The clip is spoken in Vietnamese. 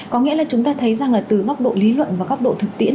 có nghĩa là chúng ta thấy rằng là từ góc độ lý luận và góc độ thực tiễn